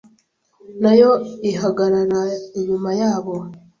nayo ihagarara inyuma yabo